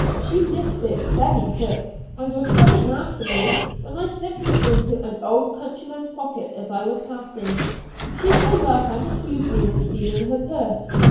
She missed it very quick, and was coming after me when I slipped it into an old countryman's pocket as I was passing. She came up and accused me with stealing her purse.